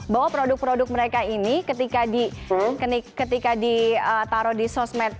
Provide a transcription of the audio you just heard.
bahwa produk produk mereka ini ketika ditaruh di sosmed